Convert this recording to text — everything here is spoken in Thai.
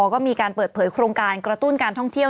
ก็มีการเปิดเผยโครงการกระตุ้นการท่องเที่ยว